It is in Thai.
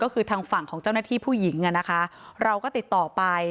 ก็คือทางฝั่งของเจ้าหน้าที่ผู้หญิงอ่ะนะคะเราก็ติดต่อไป